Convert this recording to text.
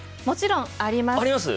もちろんあります。